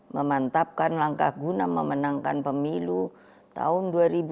memantapkan langkah guna memenangkan pemilu tahun dua ribu dua puluh